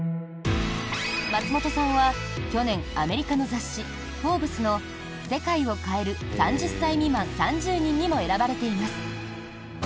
松本さんは去年アメリカの雑誌「フォーブス」の世界を変える３０歳未満３０人にも選ばれています。